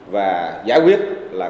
và giải quyết